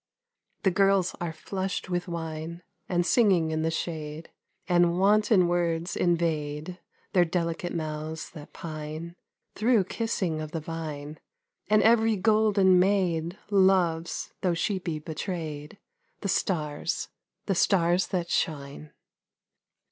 The girls are flushed with wine, And singing in the shade, And wanton words invade Their delicate mouths that pine Through kissing of the vine, And every golden maid Loves, though she be betrayed, The stars, the stars that shine.